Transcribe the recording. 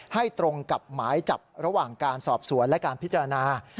ตรงกับหมายจับระหว่างการสอบสวนและการพิจารณา